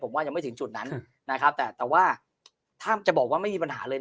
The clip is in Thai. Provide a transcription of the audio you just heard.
ผมว่ายังไม่ถึงจุดนั้นนะครับแต่แต่ว่าถ้าจะบอกว่าไม่มีปัญหาเลย